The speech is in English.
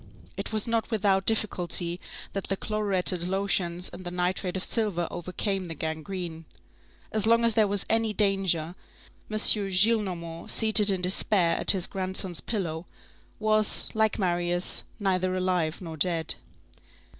It was not without difficulty that the chloruretted lotions and the nitrate of silver overcame the gangrene. As long as there was any danger, M. Gillenormand, seated in despair at his grandson's pillow, was, like Marius, neither alive nor dead.